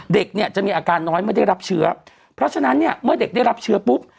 เด็กเนี่ยจะมีอาการน้อยไม่ได้รับเชื้อเพราะฉะนั้นเนี่ยเมื่อเด็กได้รับเชื้อปุ๊บ